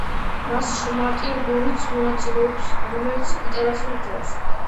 მასში მარტინ გორიც მონაწილეობს, რომელიც გიტარაზე უკრავს.